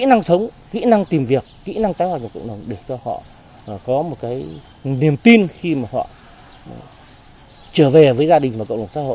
sẵn có nghề hàn khi được mãn hạn tù trở về với gia đình ông đã làm một cơ sở nhỏ chuyên cắt khung nhôm kính